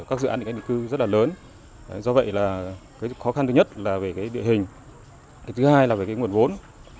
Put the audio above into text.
các dự án định canh định cư rất là lớn do vậy là khó khăn thứ nhất là về địa hình thứ hai là về nguồn vốn